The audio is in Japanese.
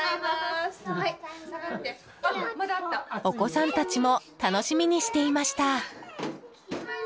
お子さんたちも楽しみにしていました。